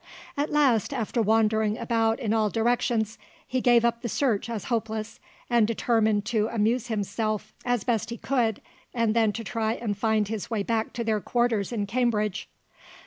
At last, after wandering about in all directions, he gave up the search as hopeless, and determined to amuse himself as best he could, and then to try and find his way back to their quarters in Cambridge.